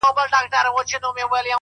o او توري څڼي به دي،